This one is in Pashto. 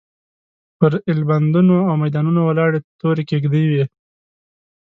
پر ایلبندونو او میدانونو ولاړې تورې کېږدۍ وې.